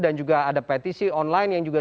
dan juga ada petisi online yang juga